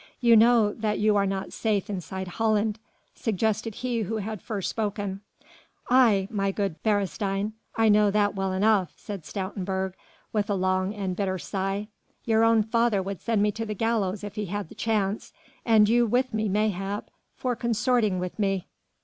"You know that you are not safe inside Holland," suggested he who had first spoken. "Aye, my good Beresteyn, I know that well enough," said Stoutenburg with a long and bitter sigh. "Your own father would send me to the gallows if he had the chance, and you with me mayhap, for consorting with me."